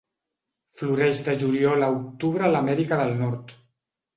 Floreix de juliol a octubre a l'Amèrica del Nord.